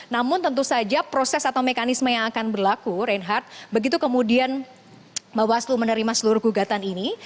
namun tentu saja proses atau mekanisme yang akan berlaku reinhardt begitu kemudian bawaslu menerima seluruh gugatan ini